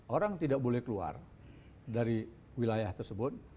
orang tidak boleh keluar dari wilayah tersebut